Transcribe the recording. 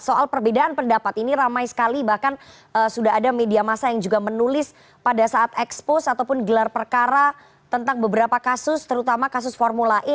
soal perbedaan pendapat ini ramai sekali bahkan sudah ada media masa yang juga menulis pada saat ekspos ataupun gelar perkara tentang beberapa kasus terutama kasus formula e